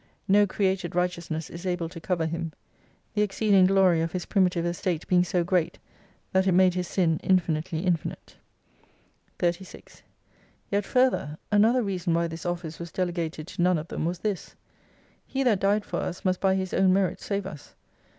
No created righteousness is able to cover him, the exceed ing glory of his primitive estate being so great, that it made his sin infinitely infinite. 36 Yet further, another reason why this office was dele gated to none of them, was this :— He that died for us must by his own merits save us.